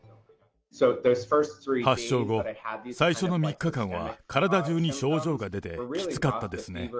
発症後、最初の３日間は、体中に症状が出て、きつかったですね。